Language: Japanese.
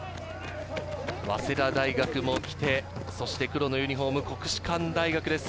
早稲田大学も来て、そして黒のユニホーム、国士舘大学です。